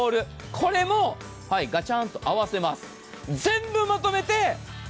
これもガチャンと合わせます。